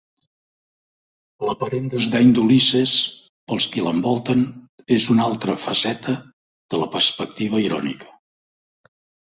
L'aparent desdeny d'Ulisses pels qui l'envolten és una altra faceta de la perspectiva irònica.